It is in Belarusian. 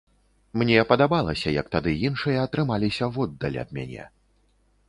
Мне падабалася, як тады іншыя трымаліся воддаль ад мяне.